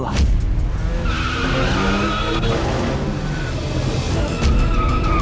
bukan urusan lu ya